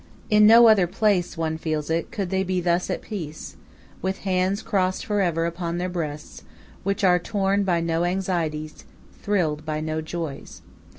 In no other place, one feels it, could they be thus at peace, with hands crossed for ever upon their breasts, which are torn by no anxieties, thrilled by no joys.